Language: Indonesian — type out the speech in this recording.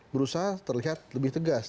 berusaha terlihat lebih tegas